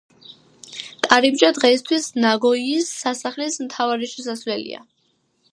კარიბჭე დღეისთვის ნაგოიის სასახლის მთავარი შესასვლელია.